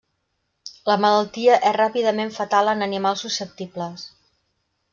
La malaltia és ràpidament fatal en animals susceptibles.